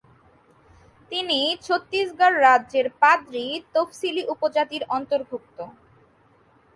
তিনি ছত্তিসগড় রাজ্যের পাদ্রী তফসিলী উপজাতির অন্তর্ভুক্ত।